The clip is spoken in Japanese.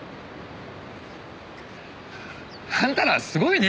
あんたらすごいね！